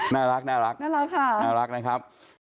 น่ารักค่ะน่ารักนะครับ